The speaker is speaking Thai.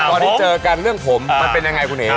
ตอนนี้เจอกันเรื่องผมมันเป็นยังไงคุณเอ๋